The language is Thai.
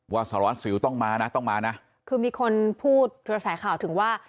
สารวัสสิวต้องมานะต้องมานะคือมีคนพูดกระแสข่าวถึงว่า